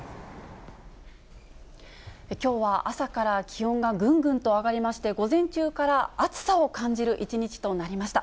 きょうは朝から気温がぐんぐんと上がりまして、午前中から暑さを感じる一日となりました。